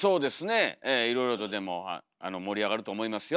ええいろいろとでも盛り上がると思いますよ。